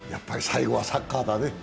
やっぱり最後はサッカーだね。